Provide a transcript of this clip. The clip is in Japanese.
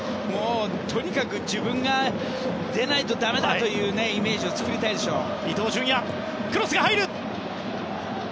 とにかく自分が出ないとだめだというイメージを作りたいでしょうね。